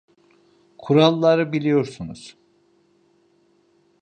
Kuralları biliyorsunuz.